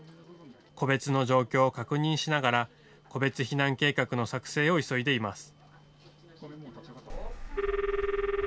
個別の状況を確認しながら個別避難計画の作成を急いでいます。